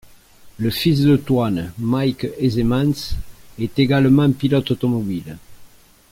Le fils de Toine, Mike Hezemans, est également pilote automobile.